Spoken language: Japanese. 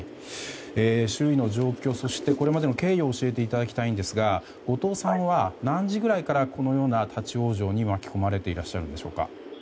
周囲の状況、そしてこれまでの経緯を教えていただきたいんですが後藤さんは何時くらいから立ち往生に巻き込まれていらっしゃるんでしょうか。